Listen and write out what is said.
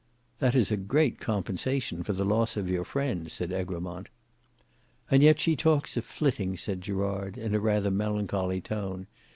"That is a great compensation for the loss of your friend," said Egremont. "And yet she talks of flitting," said Gerard, in a rather melancholy tone.